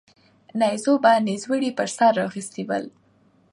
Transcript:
نيزو به نيزوړي پر سر را اخيستي ول